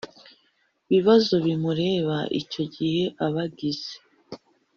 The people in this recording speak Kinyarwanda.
bibazo bimureba Icyo gihe abagize